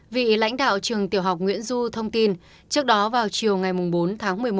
vị lãnh đạo trường tiểu học nguyễn du thông tin trước đó vào chiều ngày bốn tháng một mươi một